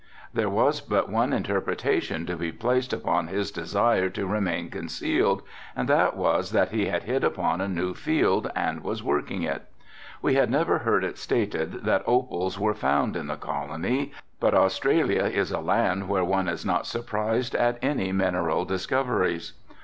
There was but one interpretation to be placed upon his desire to remain concealed and that was that he had hit upon a new field and was working it. We had never heard it stated that opals were found in the Colony, but Australia is a land where one is not surprised at any mineral discoveries.